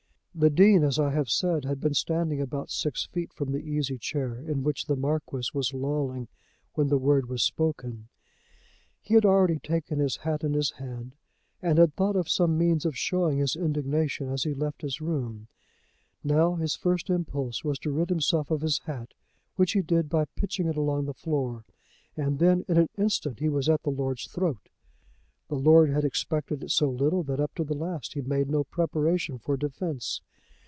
The Dean, as I have said, had been standing about six feet from the easy chair in which the Marquis was lolling when the word was spoken. He had already taken his hat in his hand and had thought of some means of showing his indignation as he left the room. Now his first impulse was to rid himself of his hat, which he did by pitching it along the floor. And then in an instant he was at the lord's throat. The lord had expected it so little that up to the last he made no preparation for defence.